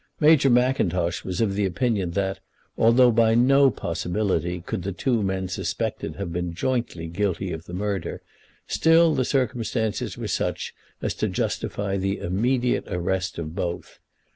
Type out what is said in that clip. Major Mackintosh was of opinion that, although by no possibility could the two men suspected have been jointly guilty of the murder, still the circumstances were such as to justify the immediate arrest of both.